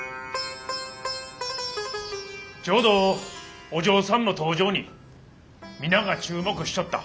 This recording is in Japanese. ちょうどお嬢さんの登場に皆が注目しちょった。